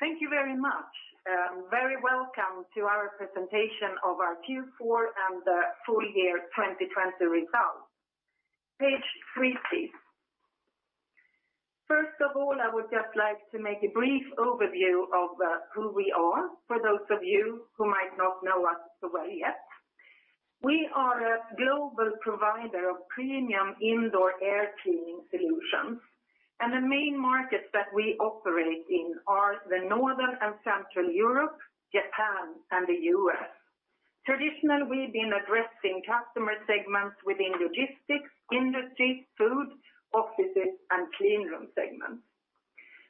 Thank you very much. Very welcome to our presentation of our Q4 and full year 2020 results. Page three, please. I would just like to make a brief overview of who we are for those of you who might not know us so well yet. We are a global provider of premium indoor air cleaning solutions. The main markets that we operate in are the Northern and Central Europe, Japan, and the U.S. Traditionally, we've been addressing customer segments within logistics, industry, food, offices, and clean room segments.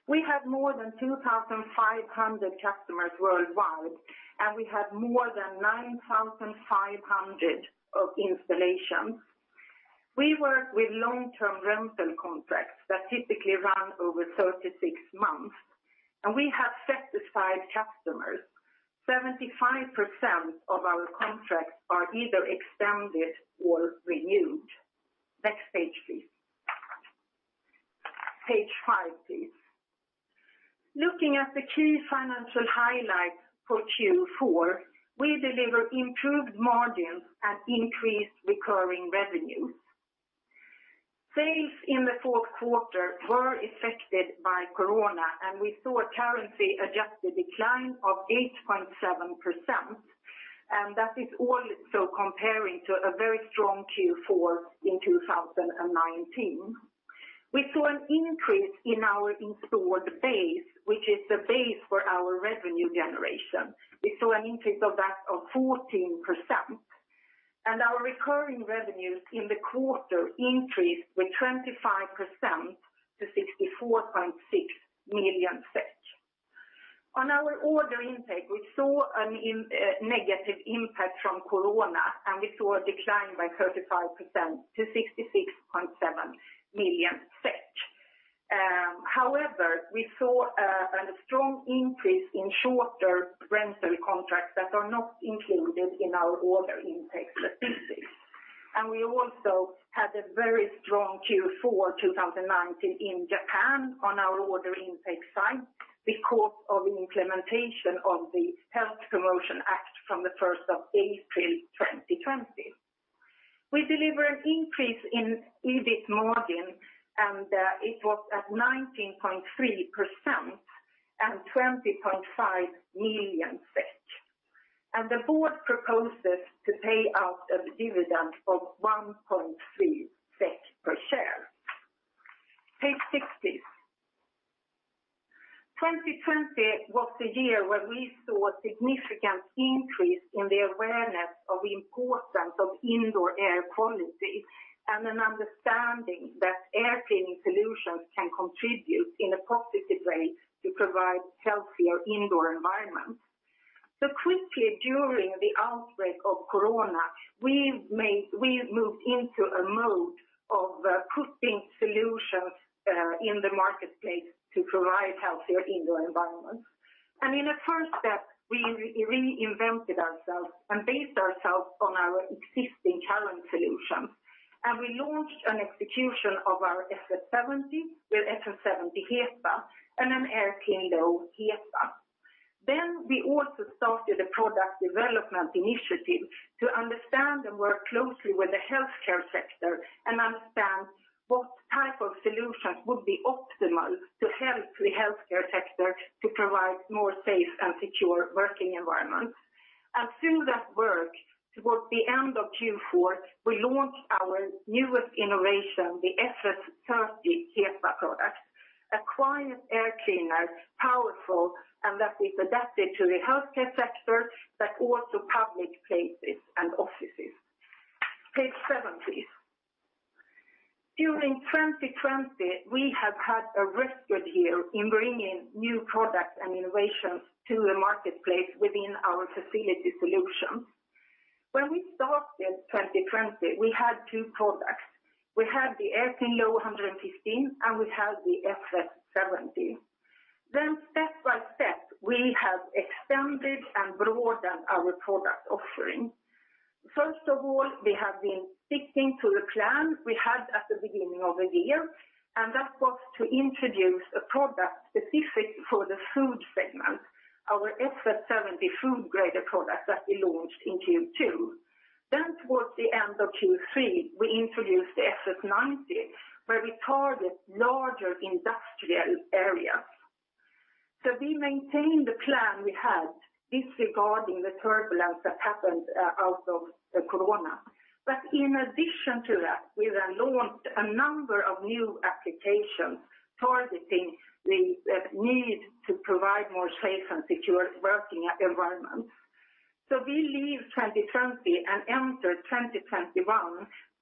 We have more than 2,500 customers worldwide, and we have more than 9,500 installations. We work with long-term rental contracts that typically run over 36 months, and we have satisfied customers. 75% of our contracts are either extended or renewed. Next page, please. Page five, please. Looking at the key financial highlights for Q4, we deliver improved margins and increased recurring revenues. Sales in the fourth quarter were affected by corona, and we saw a currency-adjusted decline of 8.7%, and that is also comparing to a very strong Q4 in 2019. We saw an increase in our installed base, which is the base for our revenue generation. We saw an increase of 14%. Our recurring revenues in the quarter increased by 25% to 64.6 million. On our order intake, we saw a negative impact from corona, and we saw a decline by 35% to 66.7 million SEK. However, we saw a strong increase in shorter rental contracts that are not included in our order intake statistics. We also had a very strong Q4 2019 in Japan on our order intake side because of the implementation of the Health Promotion Act from the 1st of April 2020. We delivered an increase in EBIT margin, and it was at 19.3% and 20.5 million SEK. The board proposes to pay out a dividend of 1.3 SEK per share. Page six, please. 2020 was the year when we saw a significant increase in the awareness of the importance of indoor air quality and an understanding that air cleaning solutions can contribute in a positive way to provide healthier indoor environments. Quickly during the outbreak of corona, we moved into a mode of putting solutions in the marketplace to provide healthier indoor environments. In a first step, we reinvented ourselves and based ourselves on our existing current solutions. We launched an execution of our FS 70 with FS 70 HEPA and an Air cleaner HEPA. We also started a product development initiative to understand and work closely with the healthcare sector and understand what type of solutions would be optimal to help the healthcare sector to provide more safe and secure working environments. Through that work, towards the end of Q4, we launched our newest innovation, the FS 30 HEPA product, a quiet air cleaner, powerful, and that is adapted to the healthcare sector, but also public places and offices. Page seven, please. During 2020, we have had a record year in bringing new products and innovations to the marketplace within our Facility Solutions. When we started 2020, we had two products. We had the Air Cleaner 115, and we had the FS 70. Step by step, we have extended and broadened our product offering. First of all, we have been sticking to the plan we had at the beginning of the year, that was to introduce a product specific for the food segment, our FS 70 Food Grade product that we launched in Q2. Towards the end of Q3, we introduced the FS 90, where we target larger industrial areas. We maintained the plan we had disregarding the turbulence that happened out of the corona. In addition to that, we launched a number of new applications targeting the need to provide more safe and secure working environments. We leave 2020 and enter 2021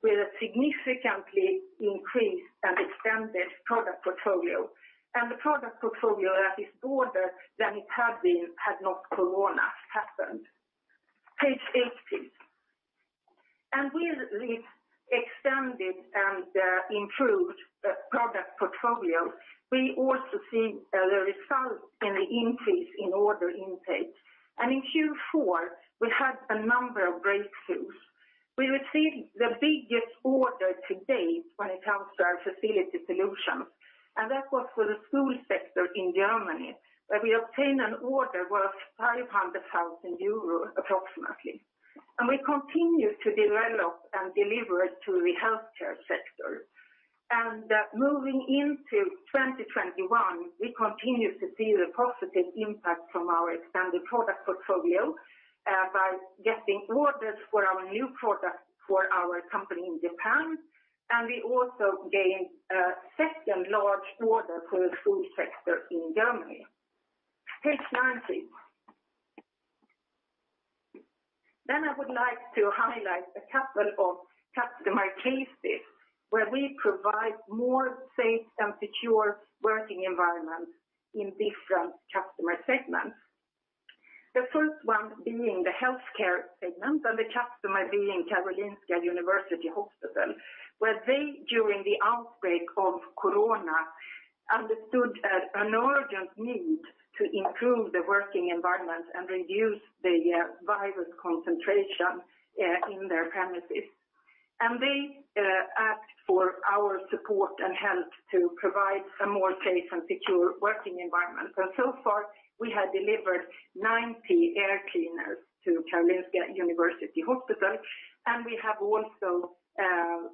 with a significantly increased and extended product portfolio. The product portfolio that is broader than it had been had not corona happened. Page eight, please. With this extended and improved product portfolio, we also see the result in the increase in order intake. In Q4, we had a number of breakthroughs. We received the biggest order to date when it comes to our Facility Solutions, and that was for the school sector in Germany, where we obtained an order worth 500,000 euros approximately. We continue to develop and deliver to the healthcare sector. Moving into 2021, we continue to see the positive impact from our expanded product portfolio by getting orders for our new product for our company in Japan, and we also gained a second large order for the school sector in Germany. Page nine, please. I would like to highlight a couple of customer cases where we provide more safe and secure working environments in different customer segments. The first one being the healthcare segment and the customer being Karolinska University Hospital, where they, during the outbreak of Corona, understood an urgent need to improve the working environment and reduce the virus concentration in their premises. They asked for our support and help to provide a more safe and secure working environment. So far, we have delivered 90 air cleaners to Karolinska University Hospital, and we have also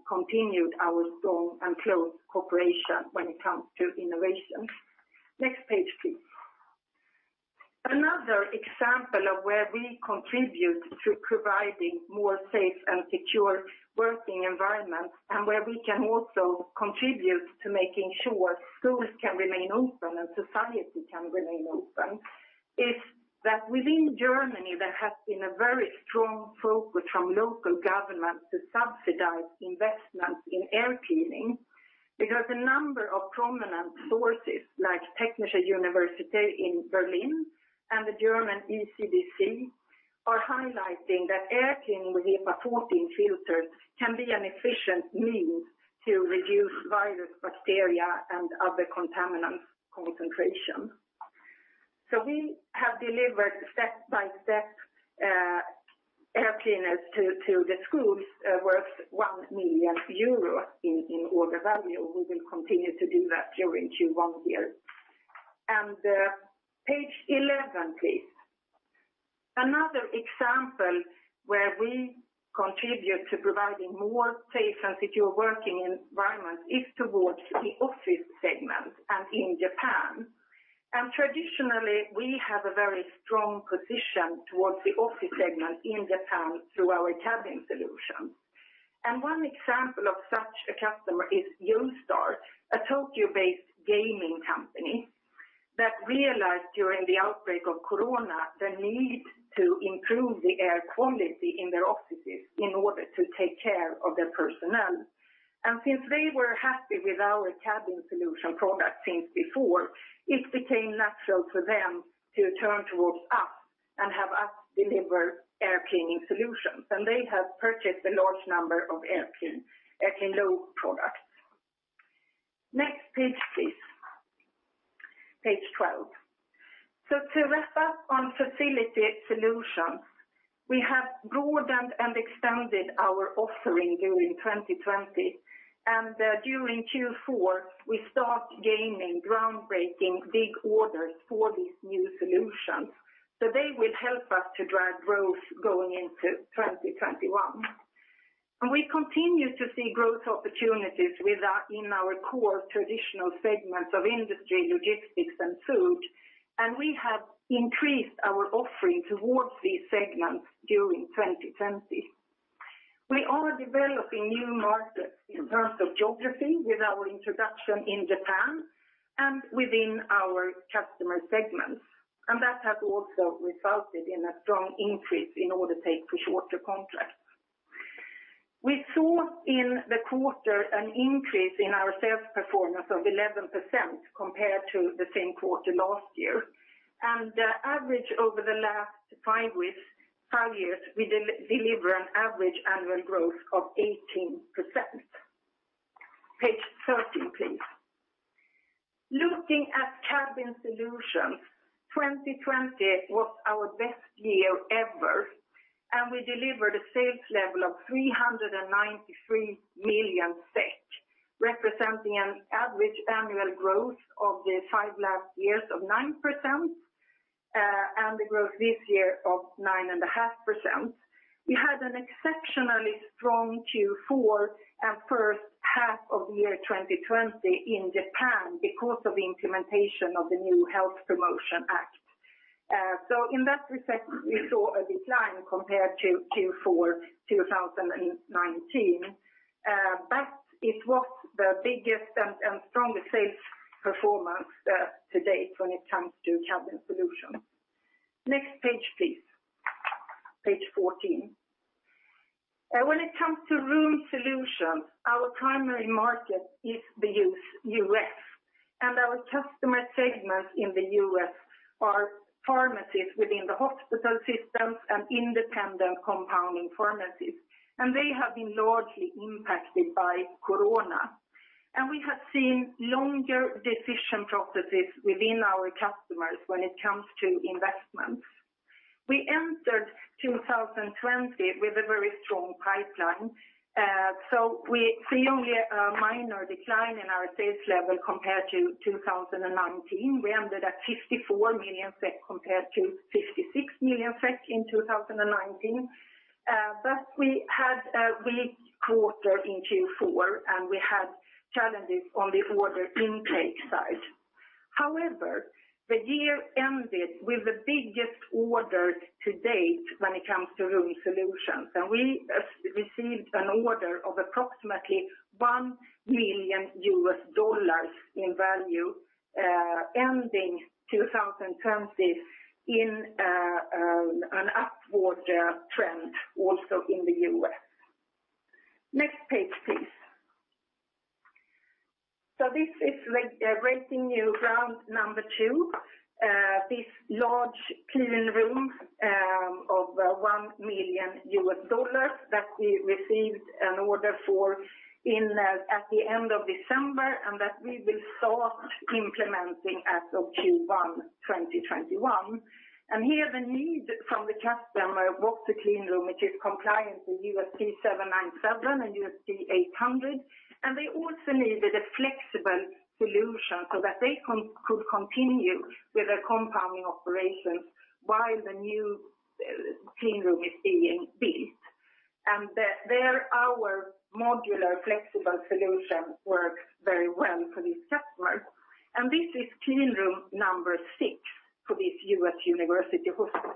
continued our strong and close cooperation when it comes to innovation. Next page, please. Another example of where we contribute to providing more safe and secure working environments, and where we can also contribute to making sure schools can remain open and society can remain open, is that within Germany, there has been a very strong focus from local government to subsidize investments in air cleaning, because a number of prominent sources like Technische Universität in Berlin and the Robert Koch Institute are highlighting that air cleaning with HEPA 14 filters can be an efficient means to reduce virus, bacteria, and other contaminants concentration. We have delivered step-by-step air cleaners to the schools worth 1 million euro in order value. We will continue to do that during Q1 here. Page 11, please. Another example where we contribute to providing more safe and secure working environments is towards the office segment and in Japan. Traditionally, we have a very strong position towards the office segment in Japan through our Cabin Solutions. One example of such a customer is Yostar, a Tokyo-based gaming company that realized during the outbreak of Corona the need to improve the air quality in their offices in order to take care of their personnel. Since they were happy with our Cabin Solutions product since before, it became natural for them to turn towards us and have us deliver air cleaning solutions. They have purchased a large number of AirQlean Low products. Next page, please. Page 12. To wrap up on Facility Solutions, we have broadened and expanded our offering during 2020, and during Q4, we start gaining groundbreaking big orders for these new solutions. They will help us to drive growth going into 2021. We continue to see growth opportunities within our core traditional segments of industry, logistics and food, and we have increased our offering towards these segments during 2020. We are developing new markets in terms of geography with our introduction in Japan and within our customer segments. That has also resulted in a strong increase in order take for shorter contracts. We saw in the quarter an increase in our sales performance of 11% compared to the same quarter last year. Average over the last five years, we deliver an average annual growth of 18%. Page 13, please. Looking at Cabin Solutions, 2020 was our best year ever, and we delivered a sales level of 393 million SEK, representing an average annual growth of the five last years of 9%, and the growth this year of 9.5%. We had an exceptionally strong Q4 and first half of the year 2020 in Japan because of the implementation of the new Health Promotion Act. In that respect, we saw a decline compared to Q4 2019. It was the biggest and strongest sales performance to date when it comes to Cabin Solutions. Next page, please. Page 14. When it comes to Room Solutions, our primary market is the U.S. Our customer segments in the U.S. are pharmacies within the hospital systems and independent compounding pharmacies. They have been largely impacted by Corona. We have seen longer decision processes within our customers when it comes to investments. We entered 2020 with a very strong pipeline. We see only a minor decline in our sales level compared to 2019. We ended at 54 million compared to 56 million in 2019. We had a weak quarter in Q4, and we had challenges on the order intake side. However, the year ended with the biggest order to date when it comes to Room Solutions, and we received an order of approximately $1 million US dollars in value, ending 2020 in an upward trend also in the U.S. Next page, please. This is breaking new ground number two, this large cleanroom of $1 million US dollars that we received an order for at the end of December, and that we will start implementing as of Q1 2021. Here the need from the customer of what the cleanroom, which is compliant with USP 797 and USP 800, and they also needed a flexible solution so that they could continue with their compounding operations while the new cleanroom is being built. There our modular flexible solution works very well for this customer. This is cleanroom number six for this U.S. university hospital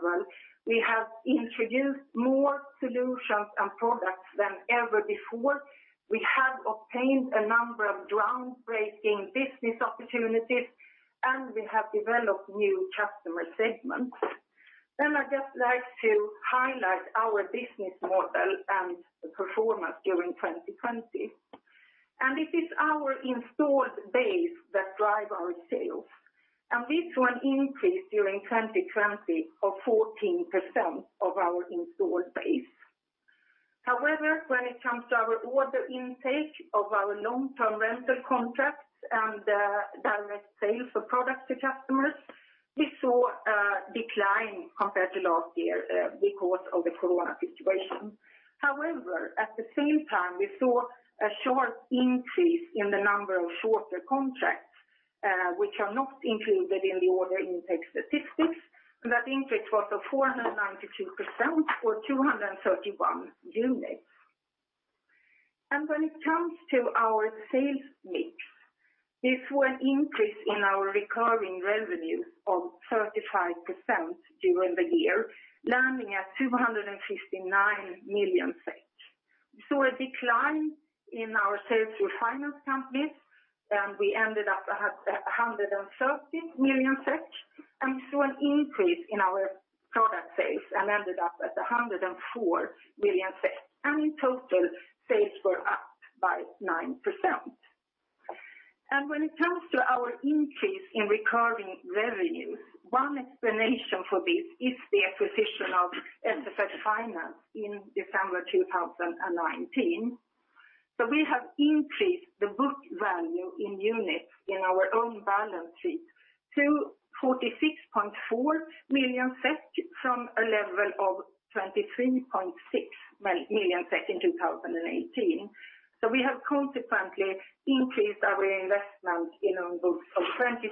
system. It is a very satisfied customer. Next page, please, page 16. To summarize in a business perspective, we have maintained a high activity level. We have introduced more solutions and products than ever before. We have obtained a number of groundbreaking business opportunities, and we have developed new customer segments. I'd just like to highlight our business model and performance during 2020. It is our installed base that drive our sales. We saw an increase during 2020 of 14% of our installed base. However, when it comes to our order intake of our long-term rental contracts and the direct sales of products to customers, we saw a decline compared to last year because of the COVID situation. However, at the same time, we saw a sharp increase in the number of shorter contracts, which are not included in the order intake statistics. That increase was of 492% or 231 units. When it comes to our sales mix, we saw an increase in our recurring revenue of 35% during the year, landing at 259 million. We saw a decline in our sales through finance companies, we ended up at 130 million, we saw an increase in our product sales and ended up at 104 million. In total, sales were up by 9%. When it comes to our increase in recurring revenues, one explanation for this is the acquisition of SFS Finance in December 2019. We have increased the book value in units in our own balance sheet to 46.4 million SEK from a level of 23.6 million SEK in 2018. We have consequently increased our investment in our books of 22.8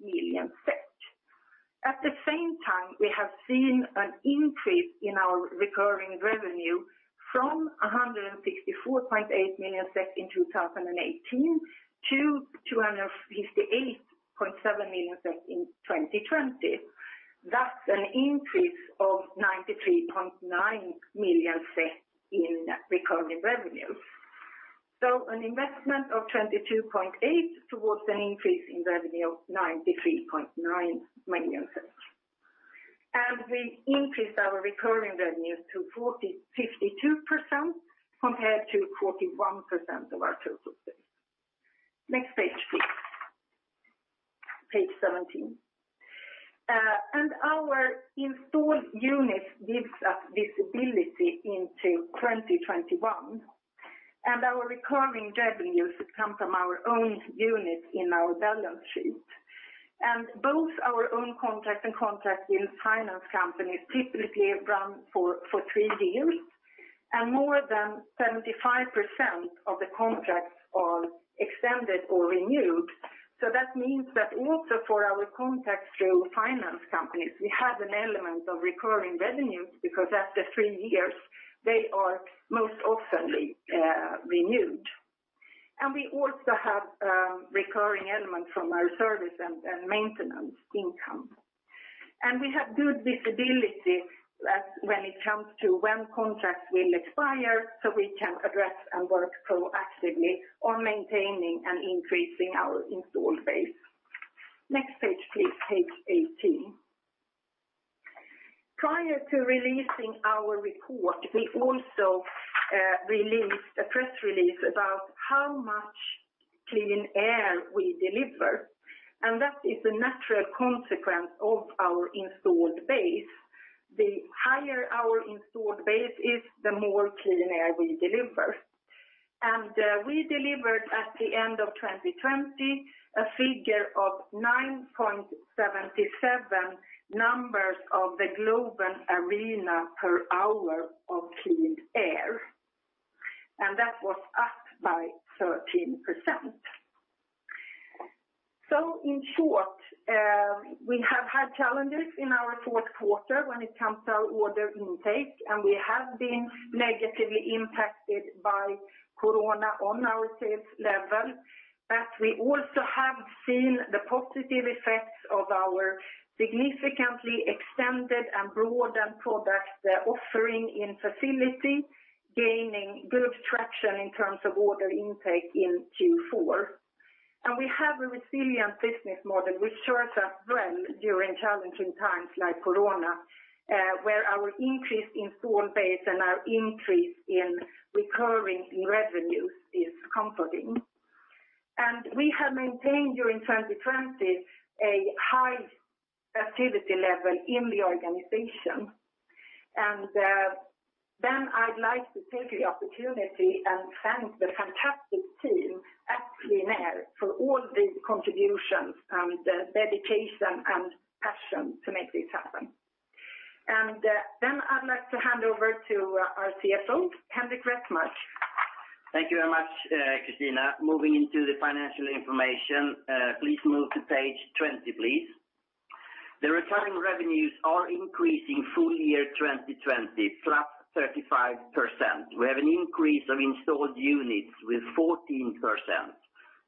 million. At the same time, we have seen an increase in our recurring revenue from 164.8 million in 2018 to 258.7 million in 2020. That's an increase of 93.9 million in recurring revenues. An investment of 22.8 towards an increase in revenue of 93.9 million. We increased our recurring revenues to 52% compared to 41% of our total sales. Next page, please. Page 17. Our installed units gives us visibility into 2021. Our recurring revenues that come from our own units in our balance sheet. Both our own contracts and contracts with finance companies typically run for three years, and more than 75% of the contracts are extended or renewed. That means that also for our contracts through finance companies, we have an element of recurring revenues because after three years, they are most often renewed. We also have a recurring element from our service and maintenance income. We have good visibility when it comes to when contracts will expire, so we can address and work proactively on maintaining and increasing our installed base. Next page, please, page 18. Prior to releasing our report, we also released a press release about how much clean air we deliver, and that is a natural consequence of our installed base. The higher our installed base is, the more clean air we deliver. We delivered at the end of 2020, a figure of 9.77 numbers of the Globe Arena per hour of clean air, and that was up by 13%. In short, we have had challenges in our fourth quarter when it comes to our order intake, and we have been negatively impacted by Corona on our sales level. We also have seen the positive effects of our significantly extended and broadened product offering in facility, gaining good traction in terms of order intake in Q4. We have a resilient business model, which serves us well during challenging times like Corona, where our increase in installed base and our increase in recurring revenues is comforting. We have maintained during 2020 a high activity level in the organization. Then I'd like to take the opportunity and thank the fantastic team at QleanAir for all the contributions and the dedication and passion to make this happen. Then I'd like to hand over to our CFO, Henrik Resmark. Thank you very much, Christina. Moving into the financial information, please move to page 20, please. The recurring revenues are increasing full year 2020, flat 35%. We have an increase of installed units with 14%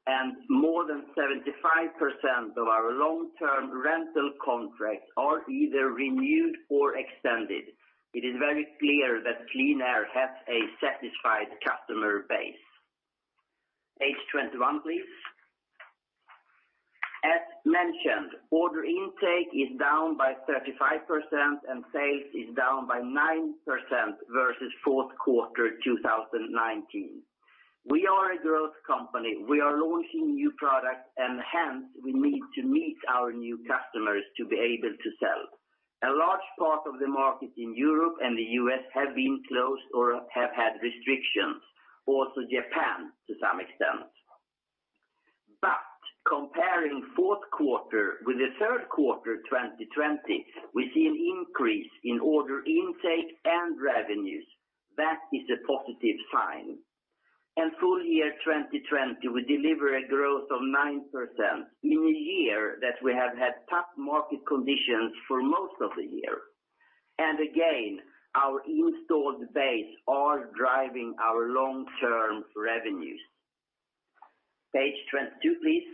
and more than 75% of our long-term rental contracts are either renewed or extended. It is very clear that QleanAir has a satisfied customer base. Page 21, please. As mentioned, order intake is down by 35% and sales is down by 9% versus fourth quarter 2019. We are a growth company. We are launching new products, and hence, we need to meet our new customers to be able to sell. A large part of the market in Europe and the U.S. have been closed or have had restrictions, also Japan to some extent. Comparing fourth quarter with the third quarter 2020, we see an increase in order intake and revenues. That is a positive sign. In full year 2020, we deliver a growth of 9% in a year that we have had tough market conditions for most of the year. Again, our installed base are driving our long-term revenues. Page 22, please.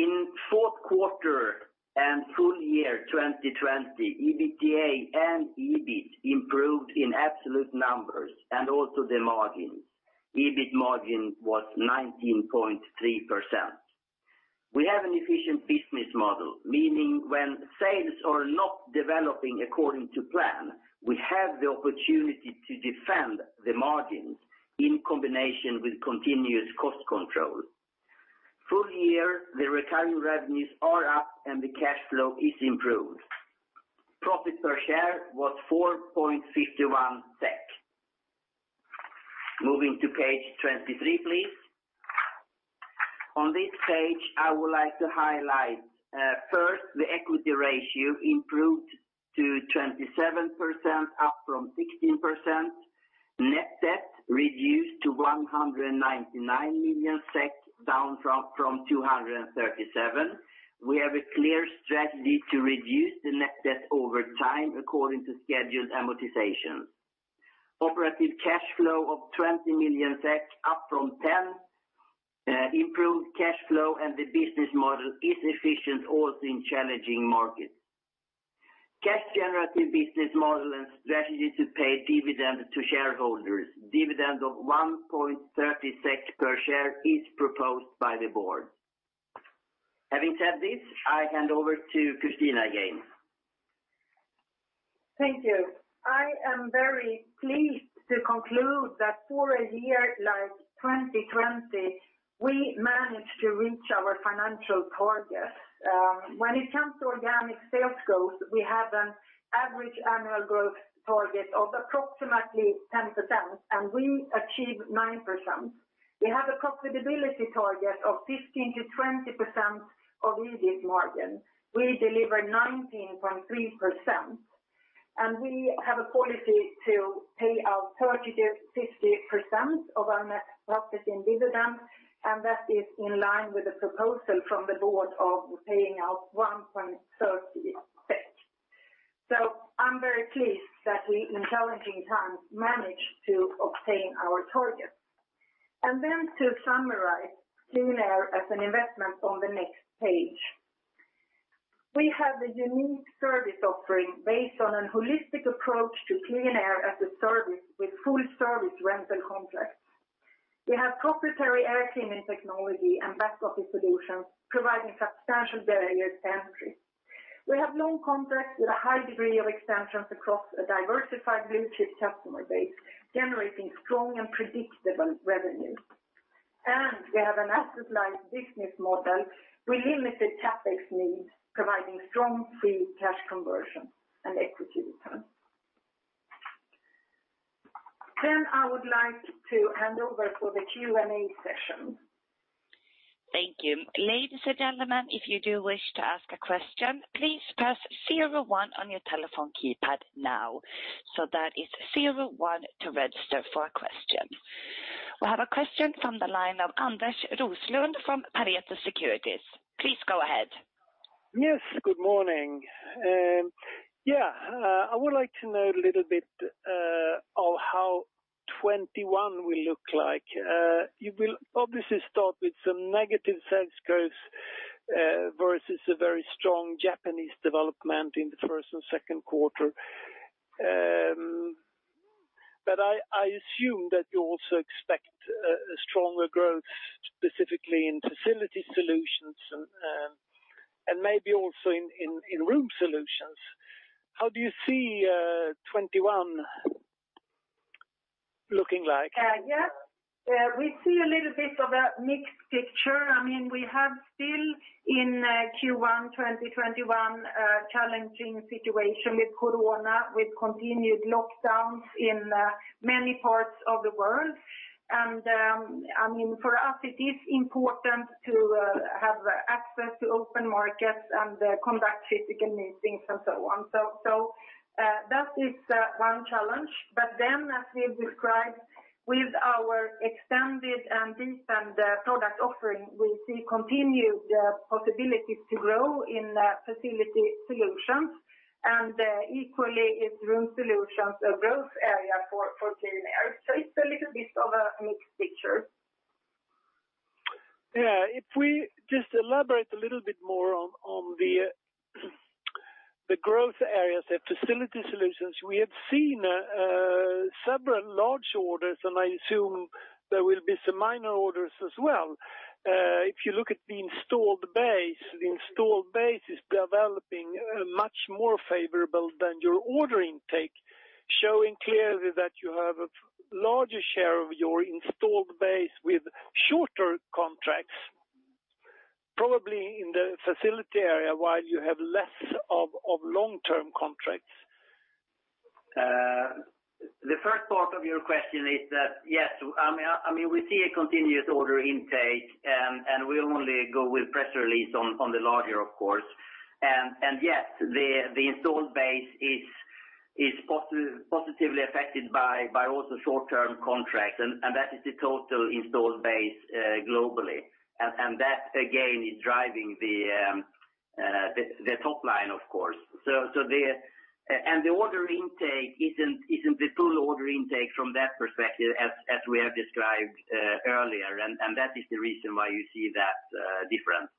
In fourth quarter and full year 2020, EBITDA and EBIT improved in absolute numbers and also the margins. EBIT margin was 19.3%. We have an efficient business model, meaning when sales are not developing according to plan, we have the opportunity to defend the margins in combination with continuous cost control. Full year, the recurring revenues are up, and the cash flow is improved. Profit per share was 4.51 SEK. Moving to page 23, please. On this page, I would like to highlight first the equity ratio improved to 27%, up from 16%. Net debt reduced to 199 million SEK, down from 237 million. We have a clear strategy to reduce the net debt over time according to scheduled amortization. Operative cash flow of 20 million SEK, up from 10 million. Improved cash flow and the business model is efficient also in challenging markets. Cash generative business model and strategy to pay dividends to shareholders. Dividend of 1.30 SEK per share is proposed by the board. Having said this, I hand over to Christina again. Thank you. I am very pleased to conclude that for a year like 2020, we managed to reach our financial targets. When it comes to organic sales growth, we have an average annual growth target of approximately 10%, and we achieved 9%. We have a profitability target of 15%-20% of EBIT margin. We delivered 19.3%. We have a policy to pay out 30%-50% of our net profit in dividends. That is in line with the proposal from the board of paying out 1.30 SEK. I'm very pleased that we, in challenging times, managed to obtain our targets. To summarize QleanAir as an investment on the next page. We have a unique service offering based on a holistic approach to QleanAir as a service with full-service rental contracts. We have proprietary air cleaning technology and back office solutions providing substantial barriers to entry. We have long contracts with a high degree of extensions across a diversified blue-chip customer base, generating strong and predictable revenue. We have an asset-light business model with limited CapEx needs, providing strong free cash conversion and equity returns. I would like to hand over for the Q&A session. Thank you. Ladies and gentlemen, if you do wish to ask a question, please press zero one on your telephone keypad now. That is zero one to register for a question. We have a question from the line of Anders Roslund from Pareto Securities. Please go ahead. Yes, good morning. I would like to know a little of how 2021 will look like. You will obviously start with some negative sales growth versus a very strong Japanese development in the first and second quarter. I assume that you also expect a stronger growth specifically in Facility Solutions and maybe also in Room Solutions. How do you see 2021 looking like? Yes. We see a little bit of a mixed picture. We have still in Q1 2021, a challenging situation with COVID with continued lockdowns in many parts of the world. For us, it is important to have access to open markets and conduct critical meetings and so on. That is one challenge. As we have described with our extended and deepened product offering, we see continued possibilities to grow in Facility Solutions and equally in Room Solutions, a growth area for QleanAir. It's a little bit of a mixed picture. Yeah. If we just elaborate a little bit more on the growth areas at Facility Solutions, we have seen several large orders, and I assume there will be some minor orders as well. If you look at the installed base, the installed base is developing much more favorable than your order intake, showing clearly that you have a larger share of your installed base with shorter contracts, probably in the facility area, while you have less of long-term contracts. The first part of your question is that, yes, we see a continuous order intake, we only go with press release on the larger, of course. Yes, the installed base is positively affected by also short-term contracts, and that is the total installed base globally. That again is driving the top line, of course. The order intake isn't the full order intake from that perspective as we have described earlier, and that is the reason why you see that difference.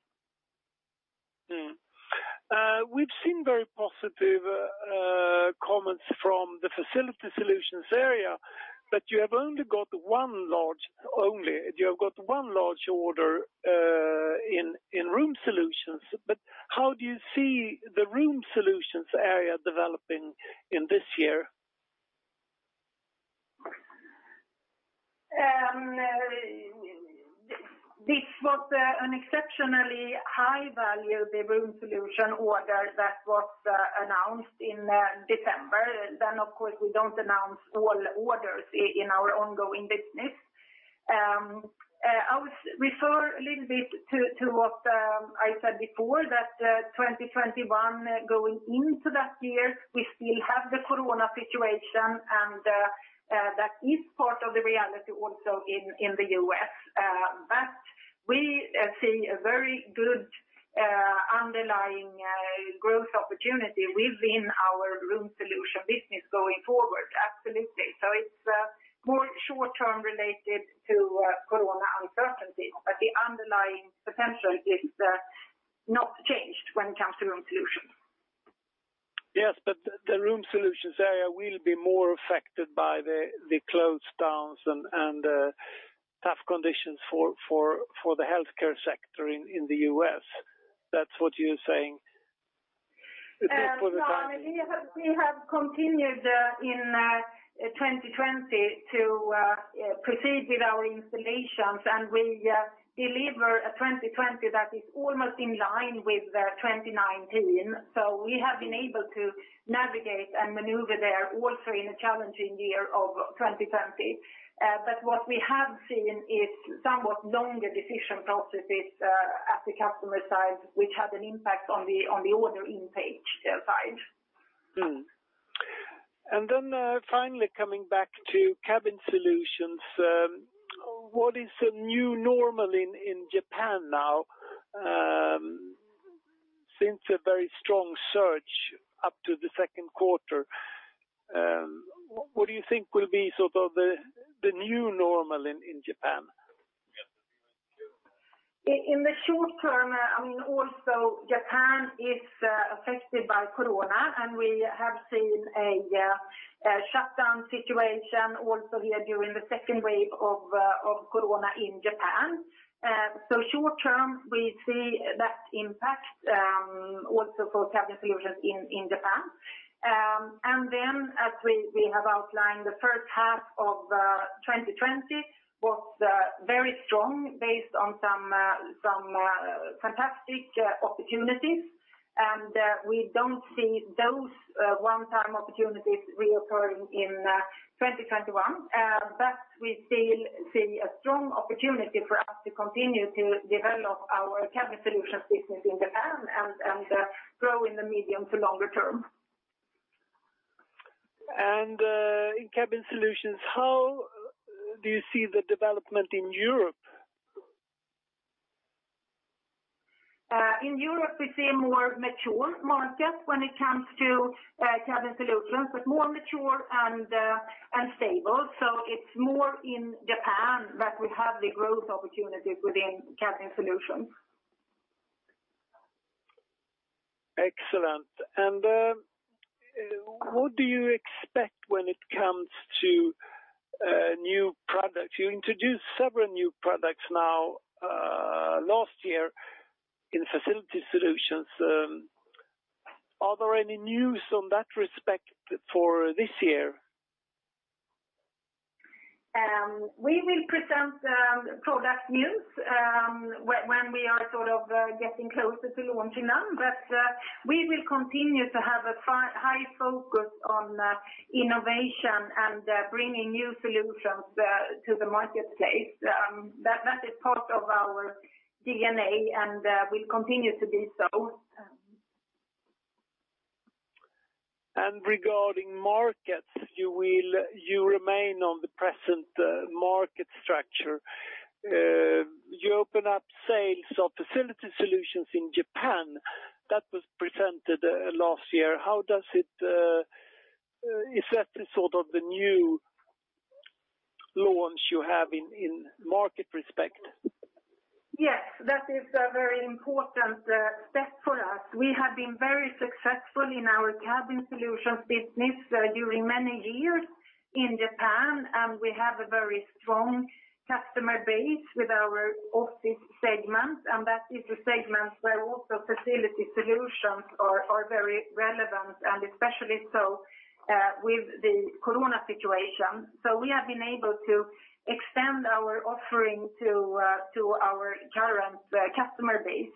We've seen very positive comments from the Facility Solutions area. You have only got one large order in Room Solutions. How do you see the Room Solutions area developing in this year? This was an exceptionally high value, the Room Solutions order that was announced in December. Of course, we don't announce all orders in our ongoing business. I would refer a little bit to what I said before that 2021, going into that year, we still have the COVID situation, and that is part of the reality also in the U.S. We see a very good underlying growth opportunity within our Room Solutions business going forward. Absolutely it's more short-term related to COVID uncertainties, but the underlying potential is not changed when it comes to Room Solutions. Yes, the Room Solutions area will be more affected by the close downs and tough conditions for the healthcare sector in the U.S. That's what you're saying? We have continued in 2020 to proceed with our installations. We deliver a 2020 that is almost in line with 2019. We have been able to navigate and maneuver there also in a challenging year of 2020. What we have seen is somewhat longer decision processes at the customer side, which had an impact on the order intake side. Finally coming back to Cabin Solutions. What is the new normal in Japan now? Since a very strong surge up to the second quarter, what do you think will be the new normal in Japan? In the short term, also Japan is affected by Corona, and we have seen a shutdown situation also here during the second wave of Corona in Japan. Short term, we see that impact also for Cabin Solutions in Japan. As we have outlined, the first half of 2020 was very strong based on some fantastic opportunities, and we don't see those one-time opportunities reoccurring in 2021. We still see a strong opportunity for us to continue to develop our Cabin Solutions business in Japan and grow in the medium to longer term. In Cabin Solutions, how do you see the development in Europe? In Europe, we see a more mature market when it comes to Cabin Solutions, but more mature and stable. It's more in Japan that we have the growth opportunities within Cabin Solutions. Excellent. What do you expect when it comes to new products? You introduced several new products now last year in Facility Solutions. Are there any news on that respect for this year? We will present product news when we are getting closer to launching them, but we will continue to have a high focus on innovation and bringing new solutions to the marketplace. That is part of our DNA and will continue to be so. Regarding markets, you remain on the present market structure. You open up sales of Facility Solutions in Japan. That was presented last year. Is that the new launch you have in market respect? Yes, that is a very important step for us. We have been very successful in our Cabin Solutions business during many years in Japan, and we have a very strong customer base with our office segment, and that is a segment where also Facility Solutions are very relevant and especially so with the corona situation. We have been able to extend our offering to our current customer base.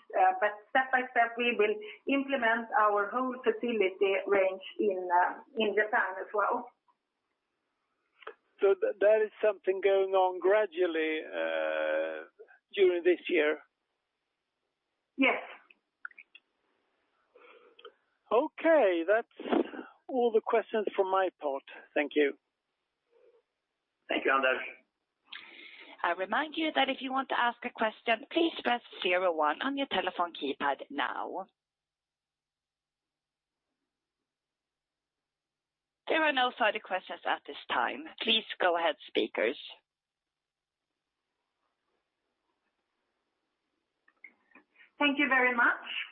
Step by step, we will implement our whole facility range in Japan as well. That is something going on gradually during this year? Yes. Okay. That's all the questions from my part. Thank you. Thank you, Anders. I remind you that if you want to ask a question, please press zero one on your telephone keypad now. There are no further questions at this time. Please go ahead, speakers. Thank you very much.